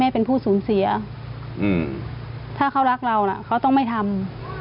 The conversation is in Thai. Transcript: เป็นผู้สูญเสียถ้าเขารักเราน่ะเขาต้องไม่ทำ